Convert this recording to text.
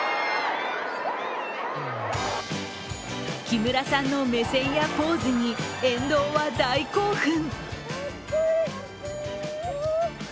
木村さんの目線やポーズに、沿道は大興奮。